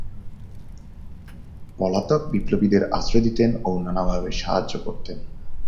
পলাতক বিপ্লবীদের আশ্রয় দিতেন ও নানাভাবে সাহায্য করতেন।